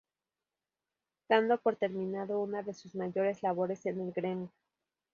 Dando por terminado una de sus mayores labores en el gremio.